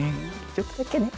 ちょっとだけね。